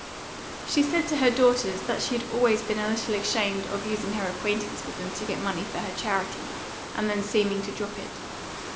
She said to her daughters that she had always been a little ashamed of using her acquaintance with them to get money for her charity, and then seeming to drop it.